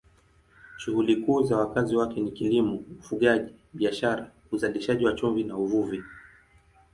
Shughuli kuu za wakazi wake ni kilimo, ufugaji, biashara, uzalishaji wa chumvi na uvuvi.